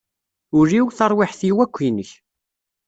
Ul-iw, taṛwiḥt-iw akk inek.